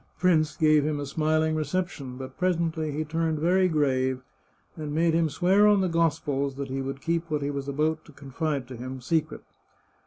The prince gave him a smiling reception, but presently he turned very grave, and made him swear on the Gospels that he would keep what he was about to confide to him secret.